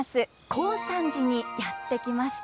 高山寺にやって来ました。